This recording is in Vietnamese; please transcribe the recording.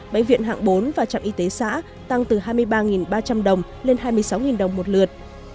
bệnh viện hạng bốn và trạm y tế xã tăng từ hai mươi ba ba trăm linh đồng lên hai mươi sáu đồng một lượt